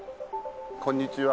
こんにちは。